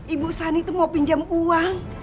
ibu sani itu mau pinjam uang